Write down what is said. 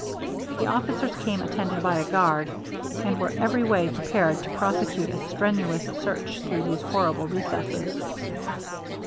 The officers came attended by a guard, and were every way prepared to prosecute a strenuous search through these horrible recesses.